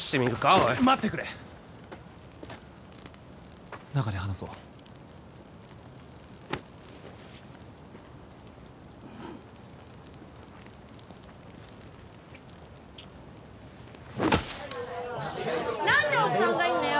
おい待ってくれ中で話そう何でおっさんがいんのよ！